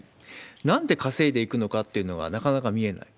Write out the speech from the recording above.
なんで稼いでいくのかっていうのはなかなか見えない。